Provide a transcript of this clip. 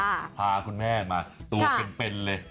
ก็พาแม่มาตัวกันเป็นเลย